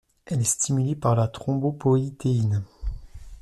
Elle est stimulée par la thrombopoïétine.